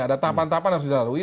ada tahapan tahapan harus dilalui